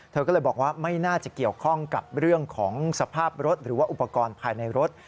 เธอก็เลยบอกว่าไม่น่าจะเกี่ยวข้องกับเรื่องของสภาพรถหรือว่าอุปกรณ์ภายในรถ